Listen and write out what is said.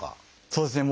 そうですね